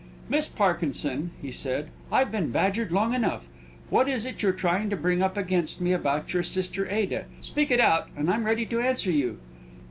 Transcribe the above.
"Miss Parkinson," he said, "I've been badgered long enough. What is it you're trying to bring up against me about your sister Ada? Speak it out, and I'm ready to answer you."